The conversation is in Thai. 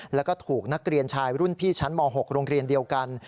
แล้วก็ถูกนักเรียนชายรุ่นพี่ชั้นม๖โรงเรียนเดียวกัน